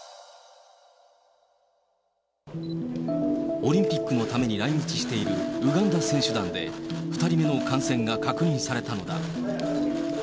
オリンピックのために来日しているウガンダ選手団で、２人目の感染が確認されたのだ。